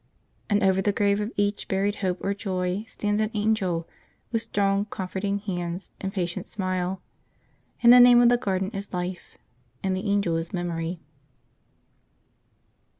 And over the grave of each buried hope or joy stands an angel with strong comforting hands and patient smile; and the name of the garden is Life, and the angel is Memory.'